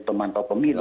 teman atau pemilu